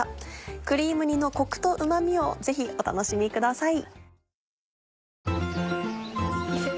クリーム煮のコクとうま味をぜひお楽しみください。